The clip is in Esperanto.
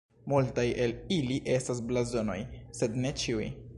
Multaj el ili estas blazonoj, sed ne ĉiuj.